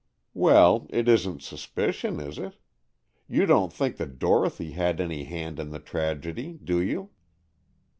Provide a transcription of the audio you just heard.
"Well, it isn't suspicion, is it? You don't think that Dorothy had any hand in the tragedy, do you?"